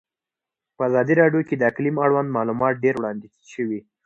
په ازادي راډیو کې د اقلیم اړوند معلومات ډېر وړاندې شوي.